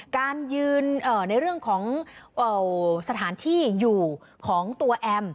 การยืนในเรื่องของสถานที่อยู่ของตัวแอม